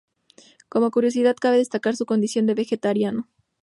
Como curiosidad cabe destacar su condición de vegetariano.